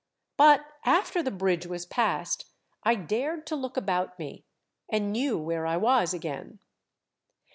But after the bridge was passed, I dared to look about me, and knew where I was again.